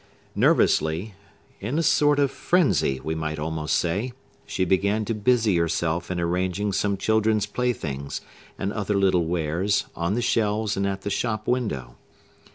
Nervously—in a sort of frenzy, we might almost say—she began to busy herself in arranging some children's playthings, and other little wares, on the shelves and at the shop window.